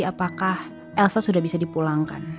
apakah elsa sudah bisa dipulangkan